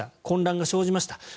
混乱が生じました。